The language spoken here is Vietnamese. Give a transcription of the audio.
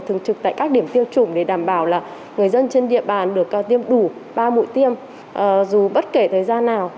thường trực tại các điểm tiêm chủng để đảm bảo là người dân trên địa bàn được tiêm đủ ba mũi tiêm dù bất kể thời gian nào